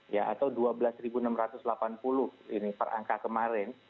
ya atau dua belas enam ratus delapan puluh ini per angka kemarin